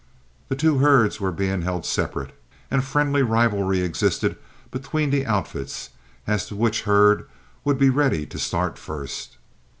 The two herds were being held separate, and a friendly rivalry existed between the outfits as to which herd would be ready to start first.